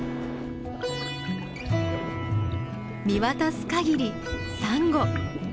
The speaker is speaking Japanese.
見渡す限りサンゴ！